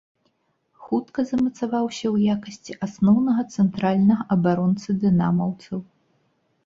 Хутка замацаваўся ў якасці асноўнага цэнтральнага абаронцы дынамаўцаў.